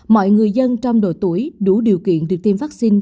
mọi người dân trong độ tuổi đủ điều kiện được tiêm vaccine